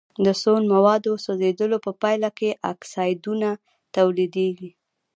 د سون موادو سوځیدلو په پایله کې اکسایدونه تولیدیږي.